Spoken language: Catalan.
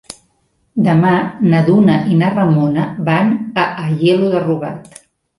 Demà na Duna i na Ramona van a Aielo de Rugat.